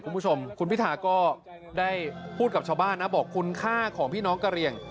คุณผู้ชมพิทาพูดกับชาวบ้านคุณค่าของพี่น้องกะเรียง